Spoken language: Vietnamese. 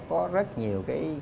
có rất nhiều